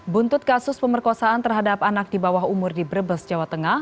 buntut kasus pemerkosaan terhadap anak di bawah umur di brebes jawa tengah